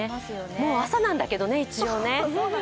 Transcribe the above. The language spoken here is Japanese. もう朝なんだけどね、一応ね。